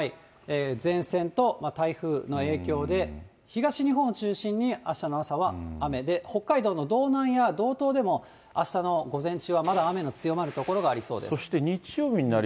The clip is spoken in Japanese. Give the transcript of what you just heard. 前線と台風の影響で、東日本を中心に、あしたの朝は雨で、北海道の道南や道東でも、あしたの午前中はまだ雨の強まる所がありそうです。